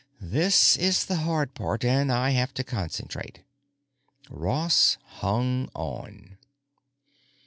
This is the hard part and I have to concentrate." Ross hung on.